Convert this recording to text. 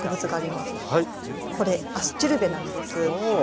これアスチルベなんです。